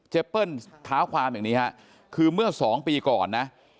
เปิ้ลเท้าความอย่างนี้ฮะคือเมื่อ๒ปีก่อนนะ